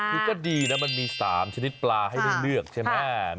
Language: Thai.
คือก็ดีนะมันมี๓ชนิดปลาให้ได้เลือกใช่ไหม